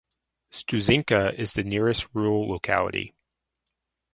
Stuzhenka is the nearest rural locality.